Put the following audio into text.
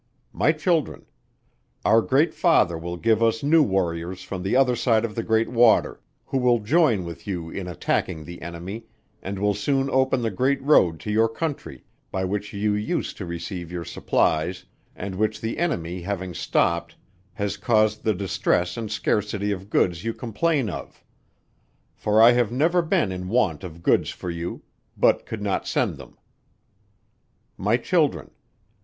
"My Children. Our great father will give us new warriors from the other side of the great water, who will join with you in attacking the enemy, and will soon open the great road to your country, by which you used to receive your supplies, and which the enemy having stopped, has caused the distress and scarcity of goods you complain of: for I have never been in want of goods for you, but could not send them. "My Children.